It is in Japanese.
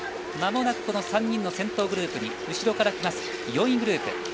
間もなく３人の先頭グループに後ろからきます、４位グループ。